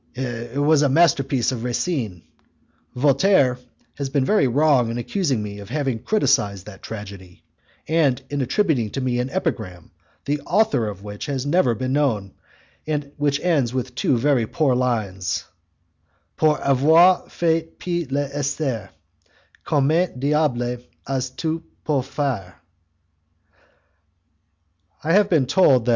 "It is the masterpiece of Racine; Voltaire, has been wrong in accusing me of having criticized that tragedy, and in attributing to me an epigram, the author of which has never been known, and which ends with two very poor lines: "Pour avoir fait pis qu'Esther, Comment diable as to pu faire" I have been told that M.